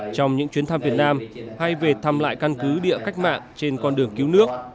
trong những chuyến thăm việt nam hay về thăm lại căn cứ địa cách mạng trên con đường cứu nước